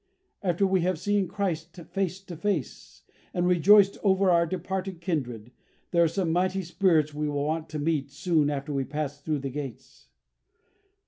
After we have seen Christ face to face, and rejoiced over our departed kindred, there are some mighty spirits we will want to meet soon after we pass through the gates."